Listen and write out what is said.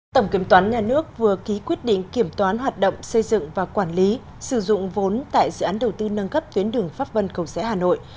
tổng kiểm toán nhà nước vừa ký quyết định kiểm toán hoạt động xây dựng và quản lý sử dụng vốn tại dự án đầu tư nâng cấp tuyến đường pháp vân cầu rẽ hà nội